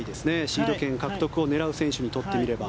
シード権獲得を狙う選手にとってみれば。